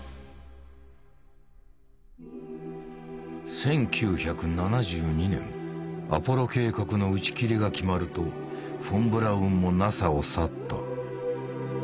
１９７２年アポロ計画の打ち切りが決まるとフォン・ブラウンもＮＡＳＡを去った。